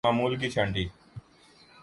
معمول کی چھانٹی